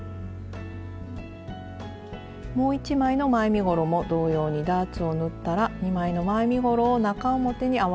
もう１枚の前身ごろも同様にダーツを縫ったら２枚の前身ごろを中表に合わせて縫います。